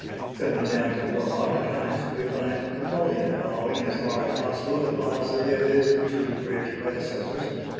Coming down to more modern times, we find Napoleon following as far as possible the policy of his two great predecessors.